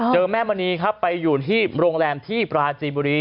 แม่มณีครับไปอยู่ที่โรงแรมที่ปราจีบุรี